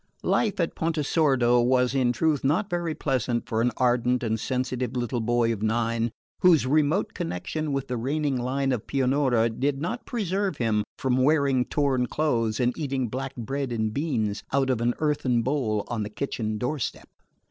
Life at Pontesordo was in truth not very pleasant for an ardent and sensitive little boy of nine, whose remote connection with the reigning line of Pianura did not preserve him from wearing torn clothes and eating black bread and beans out of an earthen bowl on the kitchen doorstep.